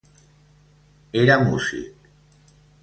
Era músic.